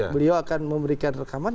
beliau akan memberikan rekaman